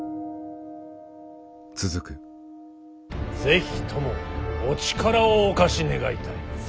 是非ともお力をお貸し願いたい。